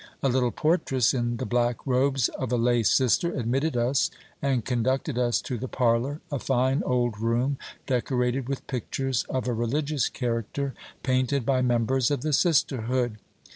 A little portress, in the black robes of a lay sister, admitted us, and conducted us to the parlour, a fine old room, decorated with pictures of a religious character, painted by members of the sisterhood.